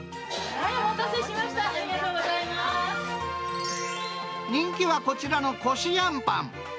お待たせしました、ありがと人気はこちらのこしあんパン。